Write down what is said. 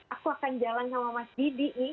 aku akan jalan sama mas didi nih